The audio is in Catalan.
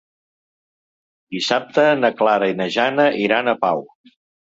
Dissabte na Clara i na Jana iran a Pau.